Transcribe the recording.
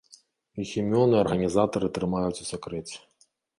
Іх імёны арганізатары трымаюць у сакрэце.